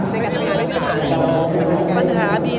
มีปัญหากลูก